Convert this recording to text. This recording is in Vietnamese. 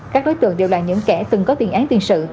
các đối tượng đều là những kẻ từng có tiền án tiền sự